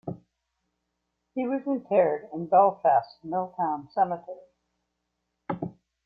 He was interred in Belfast's Milltown Cemetery.